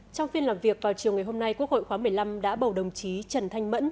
trong phiên làm việc vào chiều ngày hôm nay quốc hội khóa một mươi năm đã bầu đồng chí trần thanh mẫn